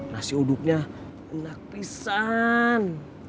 nasi uduknya enak pisan